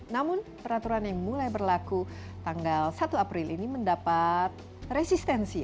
namun peraturan yang mulai berlaku tanggal satu april ini mendapat resistensi